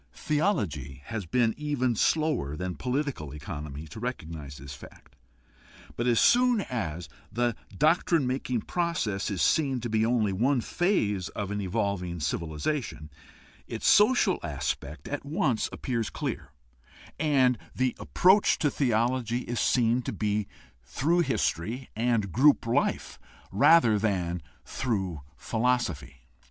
Theology has been even slower than political economy to recognize this fact; but as soon as the doctrine making process is seen to be only one phase of an evolving civilization, its social aspect at once appears clear, THE HISTORICAL STUDY OF RELIGION 51 and the approach to theology is seen to be through history and group life rather than through philosophy.